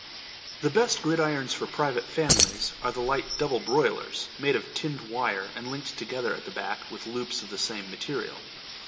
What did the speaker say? The best gridirons for private families are the light, double "broilers," made of tinned wire and linked together at the back with loops of the same material.